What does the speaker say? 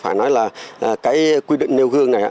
phải nói là cái quy định nêu gương này